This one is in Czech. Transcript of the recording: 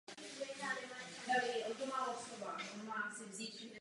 Symptomy se mohou značně lišit od jednoho pacienta k druhému.